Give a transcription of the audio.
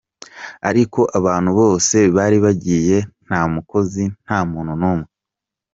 Ariko abantu bose bari bagiye, nta mukozi, nta muntu n’umwe.